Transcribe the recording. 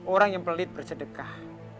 orang yang pelit bersedekah